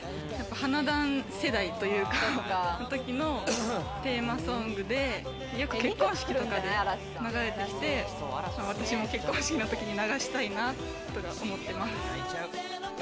『花男』世代というか、その時のテーマソングで、よく結婚式とかで流れていて、私も結婚式の時に流したいなって思ってます。